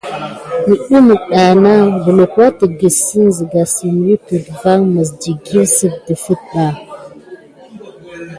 Nudum dana kulu adegue sika va sit wute mis tikile si defeta.